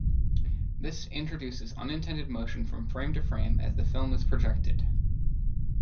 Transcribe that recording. This introduces unintended motion from frame to frame as the film is projected.